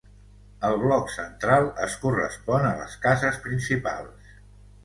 El bloc central es correspon a les cases principals.